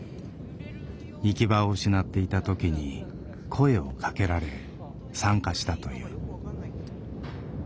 行き場を失っていた時に声をかけられ参加したという。